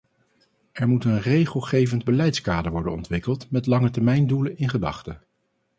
Er moet een regelgevend beleidskader worden ontwikkeld met langetermijndoelen in gedachte.